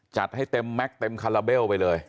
จัดให้เต็มแม็กซ์เต็มคาราเบลไปเลย